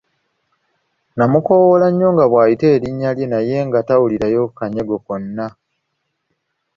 N'amukoowoola nnyo nga bw'ayita erinnya lye naye nga tawulirayo kanyego konna.